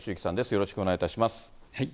よろしくお願いします。